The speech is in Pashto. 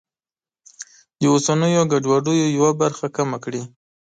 د اوسنیو ګډوډیو یوه برخه کمه کړي.